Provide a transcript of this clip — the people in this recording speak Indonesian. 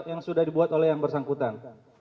yang sudah dibuat oleh yang bersangkutan